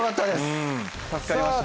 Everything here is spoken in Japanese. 助かりました。